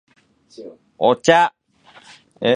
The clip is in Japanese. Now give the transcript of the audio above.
お茶